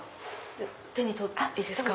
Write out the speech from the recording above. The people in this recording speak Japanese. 手に取っていいですか？